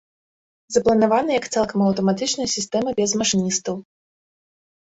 Запланаваны як цалкам аўтаматычная сістэма без машыністаў.